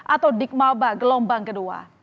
atau digmaba gelombang kedua